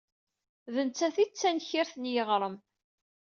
D nettat ay d tankirt n yiɣrem.